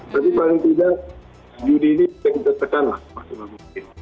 tapi paling tidak judi ini bisa kita tekan lah